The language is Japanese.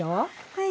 はい。